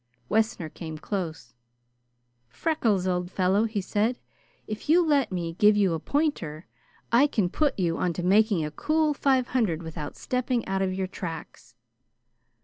Wessner came close. "Freckles, old fellow," he said, "if you let me give you a pointer, I can put you on to making a cool five hundred without stepping out of your tracks."